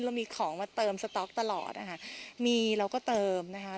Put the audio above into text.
เรามีของมาเติมสต๊อกตลอดนะคะมีเราก็เติมนะคะ